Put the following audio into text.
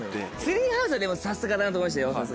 ツリーハウスはでもさすがだなと思いましたよ。